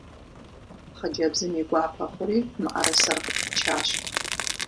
Хъыджэбзым и гуапэ хъури мыӏэрысэр къыпичащ.